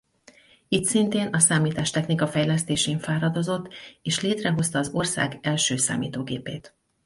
Itt szintén a számítástechnika fejlesztésén fáradozott és létrehozta az ország első számítógépét.